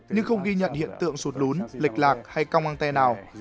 nhưng không ghi nhận hiện tượng sụt lún lịch lạc hay cong an te nào